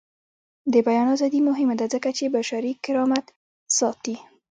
د بیان ازادي مهمه ده ځکه چې بشري کرامت ساتي.